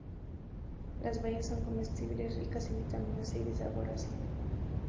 Las bayas son comestibles, ricas en vitamina C, y de sabor ácido.